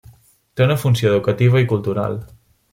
Té una funció educativa i cultural.